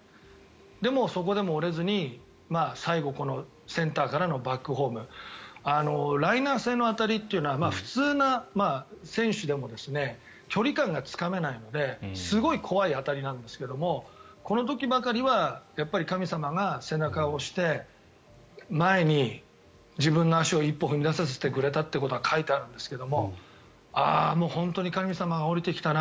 でも、そこでも折れずに最後、センターからのバックホームライナー性の当たりというのは普通の選手でも距離感がつかめないのですごい怖い当たりなんですけどこの時ばかりは神様が背中を押して前に自分の足を一歩踏み出させてくれたっていうことが書いてあるんですが本当に神様が降りてきたな。